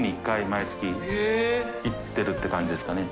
毎月行ってるって感じですかね。